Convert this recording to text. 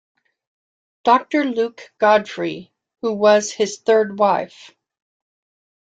Doctor Luke Godfrey, who was his third wife.